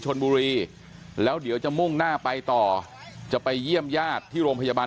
ชนบุรีแล้วเดี๋ยวจะมุ่งหน้าไปต่อจะไปเยี่ยมญาติที่โรงพยาบาล